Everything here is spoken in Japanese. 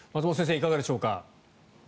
いかがでしょうか。